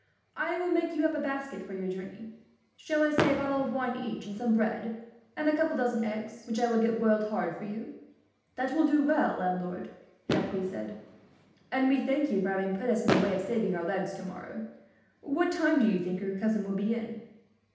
"I will make you up a basket for your journey. Shall I say a bottle of wine each, and some bread, and a couple of dozen eggs, which I will get boiled hard for you?" "That will do well, landlord," Jacques said, "and we thank you, for having put us in the way of saving our legs tomorrow. What time do you think your cousin will be in?"